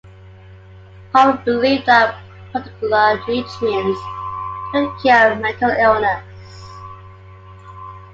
Hoffer believed that particular nutrients could cure mental illness.